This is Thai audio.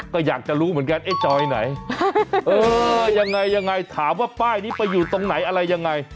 ก็อยากจะรู้เหมือนกันไอ้จอยไหนเออยังไงยังไงถามว่าป้ายนี้ไปอยู่ตรงไหนอะไรยังไง